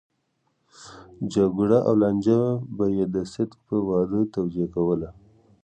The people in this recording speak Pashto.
جګړه او لانجه به يې د صدک په واده توجيه کوله.